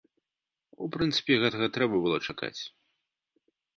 У прынцыпе, гэтага трэба было чакаць.